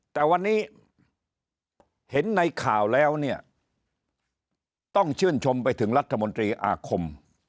แต่วันนี้เห็นในข่าวแล้วเนี่ยต้องชื่นชมไปถึงรัฐมนตรีอาคม